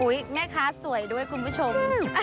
แม่ค้าสวยด้วยคุณผู้ชม